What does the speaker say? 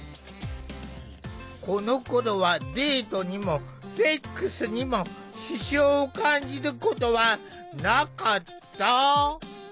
このころはデートにもセックスにも支障を感じることはなかった。